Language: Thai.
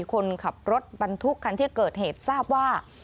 คนขับรถบรรทุกคันที่เกิดเหตุทราบว่า